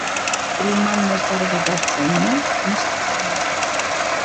Կլիման մերձարևադարձային է, մուսսոնային։